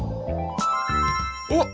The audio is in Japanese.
おっ！